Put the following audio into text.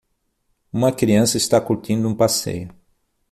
Uma criança está curtindo um passeio.